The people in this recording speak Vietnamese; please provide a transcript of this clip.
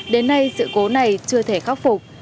đến nay sự cố này chưa thể khắc phục